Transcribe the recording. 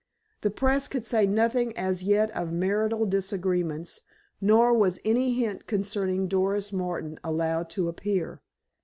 The press could say nothing as yet of marital disagreements, nor was any hint concerning Doris Martin allowed to appear.